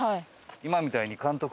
今みたいに。